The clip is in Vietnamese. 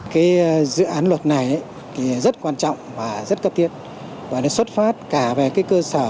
cái dự án luật này thì rất quan trọng và rất cấp thiết và nó xuất phát cả về cái cơ sở